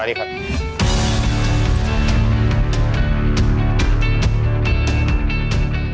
สวัสดีครับ